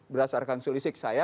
berdasarkan selisih saya